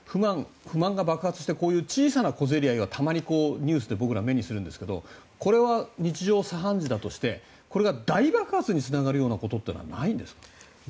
不満が爆発してこういう小さな小競り合いが僕ら、たまにニュースで目にするんですがこれは日常茶飯事だとしてこれが大規模感染につながるということはないんですか？